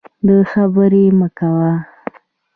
د خبرې مه کوئ.